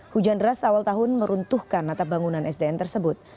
hujan deras awal tahun meruntuhkan atap bangunan sdn tersebut